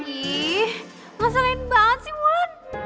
ih gak selen banget sih mulan